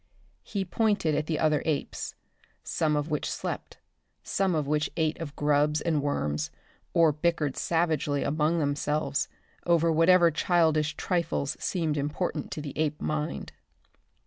He pointed at the other apes, some of which slept, some of which ate of grubs and worms, or bickered savagely among themselves over whatever childish trifles seemed important to the ape mind.